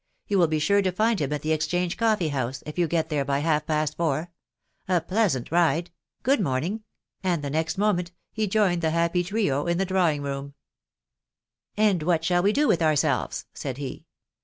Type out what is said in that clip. — You will be sure so find him at Jtbe Exchange Coffee house if you get there by half past four. ... A pleasant ride I .•.. Good. morning !" and the next moment he joined the happy trio in the drawing room* " And what shall we do with ourselves?" said he.